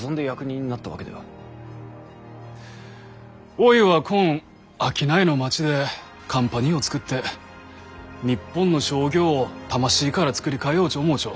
おいはこん商いの町でカンパニーを作って日本の商業を魂から作り替えようち思うちょ。